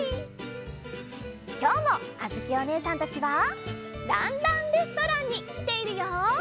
きょうもあづきおねえさんたちは「ランランレストラン」にきているよ！